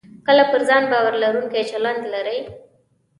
کله پر ځان باور لرونکی چلند لرئ